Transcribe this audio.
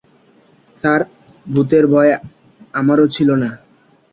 Sir, ভূতের ভয় আমারো ছিল না।